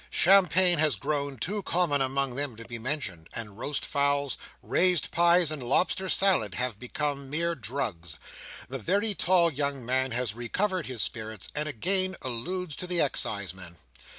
Champagne has grown too common among them to be mentioned, and roast fowls, raised pies, and lobster salad, have become mere drugs. The very tall young man has recovered his spirits, and again alludes to the exciseman.